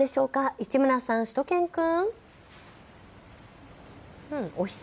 市村さん、しゅと犬くん。